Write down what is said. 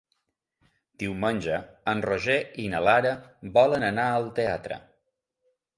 Diumenge en Roger i na Lara volen anar al teatre.